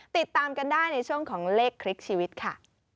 ติดตามกันได้ในช่วงของเลขคลิกชีวิตค่ะ